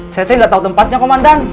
saya tidak tahu tempatnya komandan